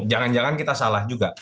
jangan jangan kita salah juga